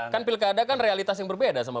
kan pilkada kan realitas yang berbeda sama